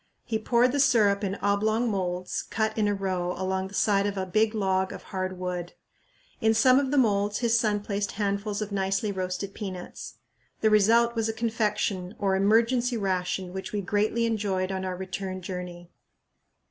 He poured the syrup in oblong moulds cut in a row along the side of a big log of hard wood. In some of the moulds his son placed handfuls of nicely roasted peanuts. The result was a confection or "emergency ration" which we greatly enjoyed on our return journey.